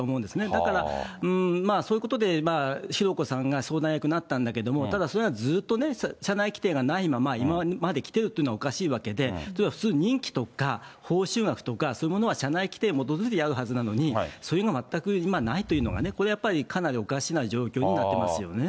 だから、そういうことで浩子さんが相談役になったんだけれども、ただそれがずっと社内規定がないまま、今まできているというのはおかしいわけで、普通、任期とか報酬額とか、そういうものは社内規定に基づいてやるはずなのに、そういうのが全く今ないというのは、これやっぱり、かなりおかしな状況になっていますよね。